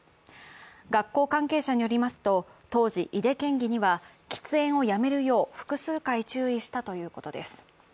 学校関係者によりますと、当時、井手県議には喫煙をやめるよう複数回注意したということです。